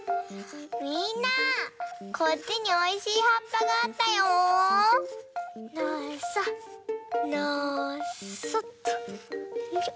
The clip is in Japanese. みんなこっちにおいしいはっぱがあったよ！のそのそっとよいしょ。